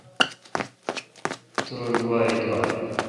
تو رل گوا اعتبار۔